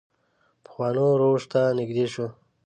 پخوانو روش ته نږدې شو.